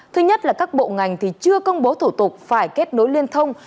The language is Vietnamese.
thứ nhất là các bộ ngành thì chưa công bố thủ tục phải kết nối liên thông